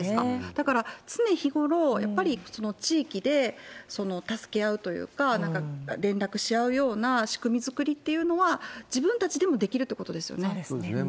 だから、常日頃、やっぱり地域で助け合うというか、連絡し合うような仕組み作りっていうのは、自分たちでもできるとそうですね。